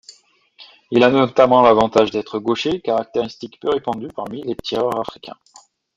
Il a notamment l'avantage d'être gaucher, caractéristique peu répandue parmi les tireurs africains.